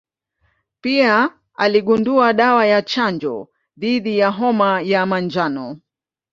Pia aligundua dawa ya chanjo dhidi ya homa ya manjano.